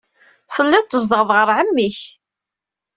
Telliḍ tzedɣeḍ ɣer ɛemmi-k.